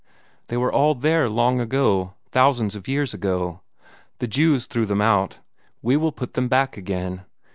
They were all there long ago, thousands of years ago. The Jews threw them out; we will put them back again.